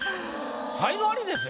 才能アリですよ